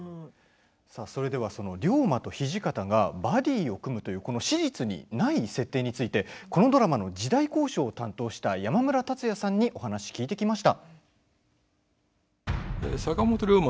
それでは龍馬と土方がバディーを組むという史実にない設定について、このドラマの時代考証を担当した山村竜也さんにお話を聞いてきました。